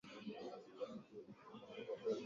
kazi ya kwanza ambayo mimi niliandikwa niliandikwa kazi